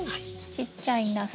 ちっちゃいナス。